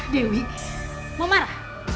dewi mau marah